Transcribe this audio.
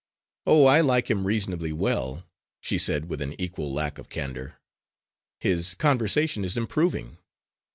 "Oh, I like him reasonably well," she said with an equal lack of candour. "His conversation is improving.